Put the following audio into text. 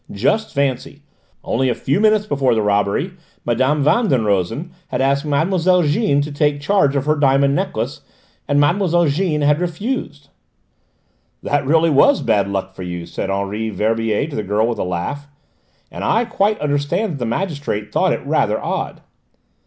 Just fancy: only a few minutes before the robbery Mme. Van den Rosen had asked Mlle. Jeanne to take charge of her diamond necklace, and Mlle. Jeanne had refused!" "That really was bad luck for you," said Henri Verbier to the girl with a laugh, "and I quite understand that the magistrate thought it rather odd."